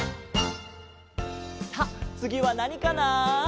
さあつぎはなにかな？